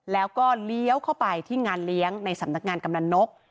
แล้วก็เลี้ยวเข้าไปที่งานเลี้ยงในสำนักงานกำนันนก